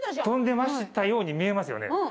跳んでたように見えますよね。